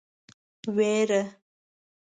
وېره.